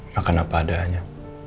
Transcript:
makan apa adanya